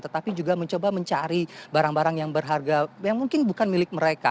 tetapi juga mencoba mencari barang barang yang berharga yang mungkin bukan milik mereka